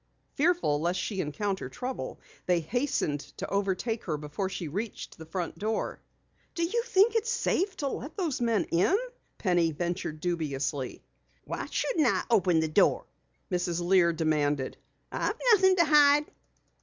Fearful lest she encounter trouble, they hastened to overtake her before she reached the front door. "Do you think it's safe to let those men in?" Penny ventured dubiously. "Why shouldn't I open the door?" Mrs. Lear demanded. "I've nothing to hide."